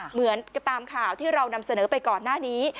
เหมือนตามข่าวที่เรานำเสนอไปก่อนหน้านี้